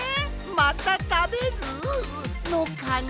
またたべる？のかね！？